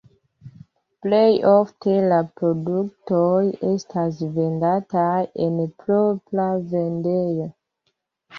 Plej ofte la produktoj estas vendataj en propra vendejo.